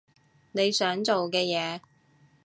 你想做嘅嘢？